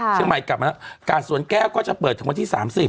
เชียงใหม่กลับมากาสวนแก้วก็จะเปิดทั้งวันที่๓๐